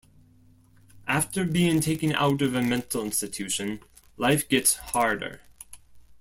After being taken out of a mental institution life gets harder.